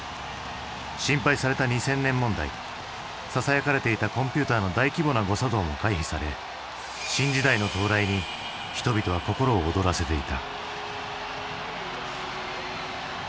心配された２０００年問題ささやかれていたコンピューターの大規模な誤作動も回避され新時代の到来に人々は心を躍らせていた。